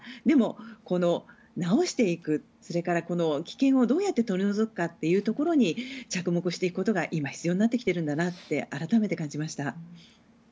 でも直していくそれから危険をどうやって取り除くかというところに着目していくことが今必要になってきているんだなって改めて感じました。